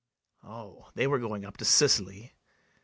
O, they were going up to Sicily.